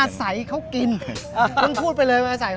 ไปอาศัยเขากินพึ่งพูดไปเลยว่าอาศัยเขากิน